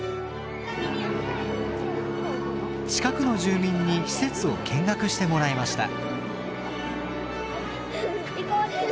近くの住民に施設を見学してもらいました。